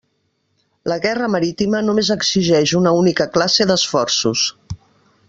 La guerra marítima només exigeix una única classe d'esforços.